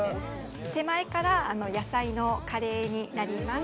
手前から野菜のカレーになります・